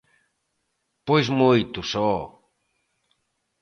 Pois moitos, ho.